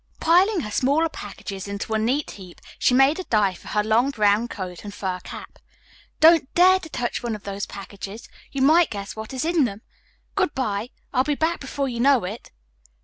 Piling her smaller packages into a neat heap, she made a dive for her long brown coat and fur cap. "Don't dare to touch one of those packages. You might guess what is in them. Good bye. I'll be back before you know it."